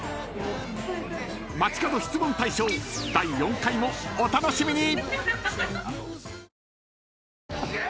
［街かど質問大賞第４回もお楽しみに！］